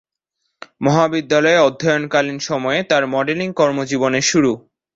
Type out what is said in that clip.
মহাবিদ্যালয়ে অধ্যয়নকালীন সময়ে তার মডেলিং কর্মজীবনের শুরু।